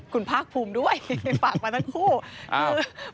คุณภาคภูมิด้วยฝากมาทั้งคู่คือ